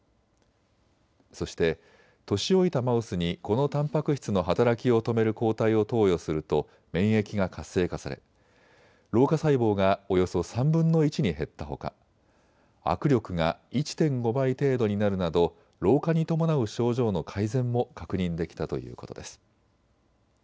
そして年老いたマウスにこのたんぱく質の働きを止める抗体を投与すると免疫が活性化され老化細胞がおよそ３分の１に減ったほか握力が１．５倍程度になるなど老化に伴う症状の改善も確認できたということです。